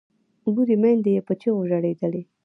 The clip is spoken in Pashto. بورې میندې یې په چیغو ژړېدلې